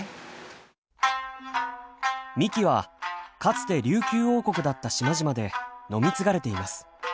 みきはかつて琉球王国だった島々で飲み継がれています。